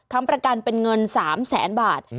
ประกันเป็นเงิน๓แสนบาท